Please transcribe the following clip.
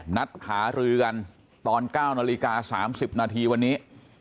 นัดหารือกันตอน๙นาฬิกา๓๐นาทีวันนี้